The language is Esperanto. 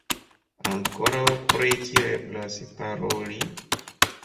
Ankoraŭ pri kio eblas paroli?